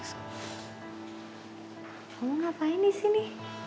kamu ngapain disini